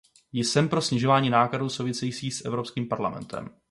Jsem pro snižování nákladů souvisejících s Evropským parlamentem.